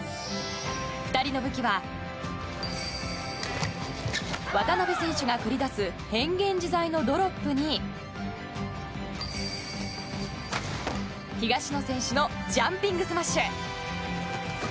２人の武器は、渡辺選手が繰り出す変幻自在のドロップに東野選手のジャンピングスマッシュ。